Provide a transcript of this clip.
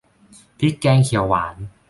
พริกแกงเขียวหวาน